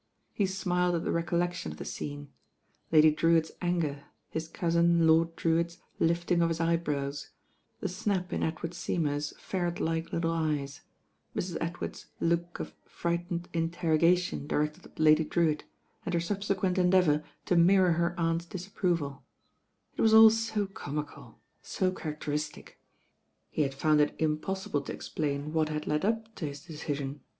He smiled at the recollection of the scene; Lady Drewitt's anger, his cousin, Lord Drewitt's lifting nf his eyebrows, the snap in Ed ward Seymour's ferret like little eyes, Mrs. Ed ward's look of frightened interrogation directed at Lady Drewitt, and her subsequent endeavour to mir ror her aunt's disapproval It was all so comical, so characteristic. He had found it impossible to explain what had led up to his decision.